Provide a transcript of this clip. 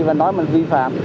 và nói mình vi phạm